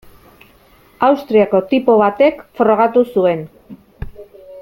Austriako tipo batek frogatu zuen.